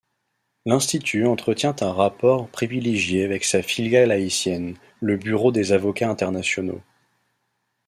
L'Institut entretient un rapport privilégié avec sa filiale haïtienne, le Bureau des avocats internationaux.